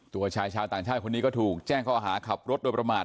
ตัวชายชาวต่างชาติคนนี้ก็ถูกแจ้งข้อหาขับรถโดยประมาท